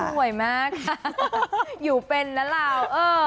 ไหว้สวยมากอยู่เป็นน่ะเรา